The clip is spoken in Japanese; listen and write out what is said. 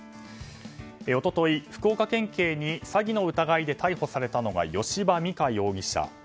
一昨日、福岡県警に詐欺の疑いで逮捕されたのは吉羽美華容疑者。